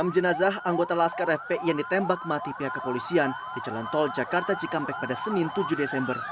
enam jenazah anggota laskar fpi yang ditembak mati pihak kepolisian di jalan tol jakarta cikampek pada senin tujuh desember